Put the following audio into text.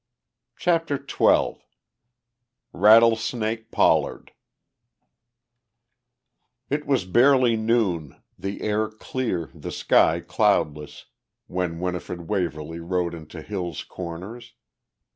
CHAPTER XII RATTLESNAKE POLLARD IT was barely noon, the air clear, the sky cloudless, when Winifred Waverly rode into Hill's Corners.